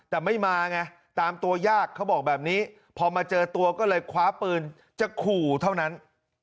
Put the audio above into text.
แต่ไม่มาไงตามตัวยากเขาบอกแบบนี้พอมาเจอตัวก็เลยคว้าปืนจะขู่เท่านั้น